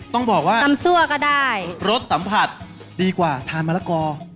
ต้องบอกว่ารสตำผัดดีกว่าทานมะละกอ